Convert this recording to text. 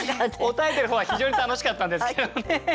答えてる方は非常に楽しかったんですけどね。